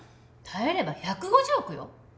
耐えれば１５０億よ！？